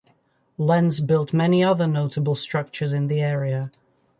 Lenz built many other notable structures in the area.